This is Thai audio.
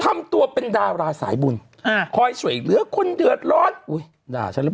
ทำตัวเป็นดาราสายบุญอ่าคอยช่วยเหลือคนเดือดร้อนอุ้ยด่าฉันหรือเปล่า